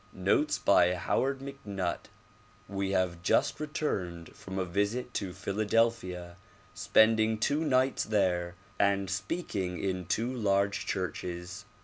Notes by Howard MacNutt WE have just returned from a visit to Philadelphia, spending two nights there and speaking in two large churches.